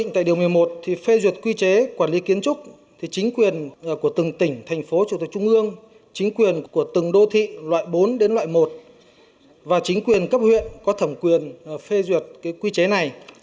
tại điều một mươi một thì phê duyệt quy chế quản lý kiến trúc chính quyền của từng tỉnh thành phố chủ tịch trung ương chính quyền của từng đô thị loại bốn đến loại một và chính quyền cấp huyện có thẩm quyền phê duyệt quy chế này